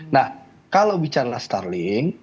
nah kalau bicara starling